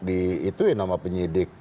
itu ya nama penyidik